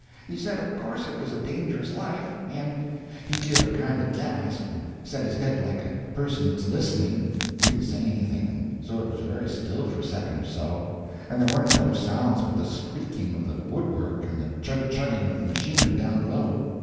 He said of course it was a dangerous life, and—He give a kind of gasp, and set his head like a person that's listening. We didn't say anything, and so it was very still for a second or so, and there warn't no sounds but the screaking of the woodwork and the chug chugging of the machinery down below.